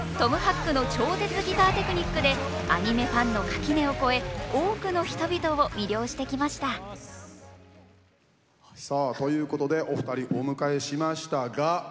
ｃｋの超絶ギターテクニックでアニメファンの垣根を越え多くの人々を魅了してきましたさあということでお二人お迎えしましたが。